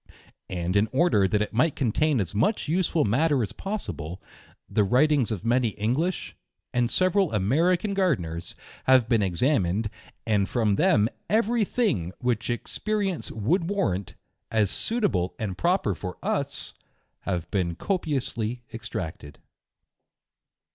And in order that it might contain v as much useful matter as possible, the writings of many English, and several American G rdeners, have been ex amined, and from them every thing which experience would i warrant, as suitable and proper for us, have been copious ly extracted.